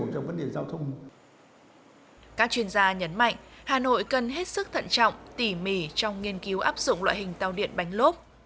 các chuyên gia nhấn mạnh hà nội cần hết sức thận trọng tỉ mỉ trong nghiên cứu áp dụng loại hình tàu điện bánh lốp